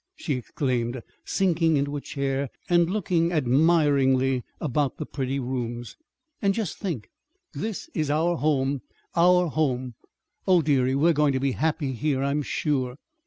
she exclaimed, sinking into a chair, and looking admiringly about the pretty rooms. "And just think this is home, our home! Oh, dearie, we're going to be happy here, I'm sure."